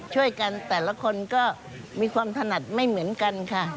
ช่วยกันแต่ละคนก็มีความถนัดไม่เหมือนกันค่ะ